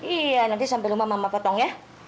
iya nanti sampai rumah mama potong ya